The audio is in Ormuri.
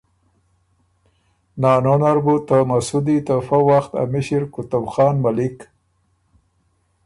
نانو نر بُو ته مسُودی ته فۀ وخت ا مِݭِر قطب خان ملِک